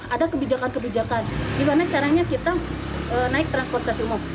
ada kebijakan kebijakan gimana caranya kita naik transportasi umum